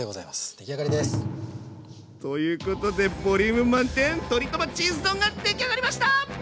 出来上がりです！ということでボリューム満点鶏トマチーズ丼が出来上がりました！